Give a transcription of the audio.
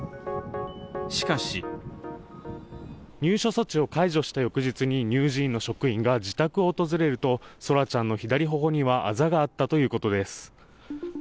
しかし入所措置を解除した翌日に乳児院の職員が自宅を訪れると空来ちゃんの左ほほにはあざがあったということです。